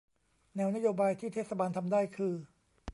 แนวนโยบายที่เทศบาลทำได้คือ